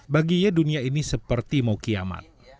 bagi ye dunia ini seperti mau kiamat